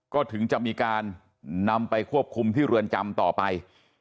ก็ถึงจะมีการนำไปควบคุมที่เรือนจำต่อไป